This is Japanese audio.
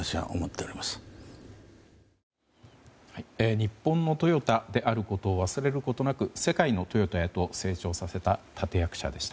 日本のトヨタであることを忘れることなく世界のトヨタへと成長させた立役者でした。